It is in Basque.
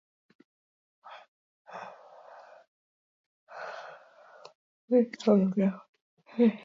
Euskal Herrian dauden historialari nagusienetakoa da.